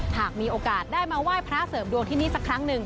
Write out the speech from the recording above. หากมีโอกาสได้มาไหว้พระเสริมดวงที่นี่สักครั้งหนึ่ง